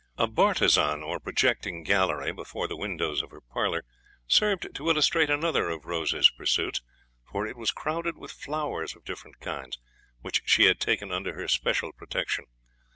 A bartizan, or projecting gallery, before the windows of her parlour, served to illustrate another of Rose's pursuits; for it was crowded with flowers of different kinds, which she had taken under her special protection.